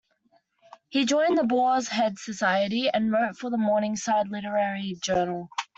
He joined the Boar's Head Society and wrote for the "Morningside" literary journal.